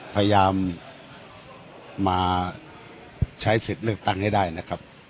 พยายามมาใช้สิทธิ์เลือกตั้งให้ได้นะครับ